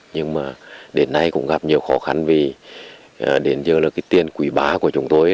nhưng mà đến nay cũng gặp nhiều khó khăn vì đến giờ tiền quỷ bá của chúng tôi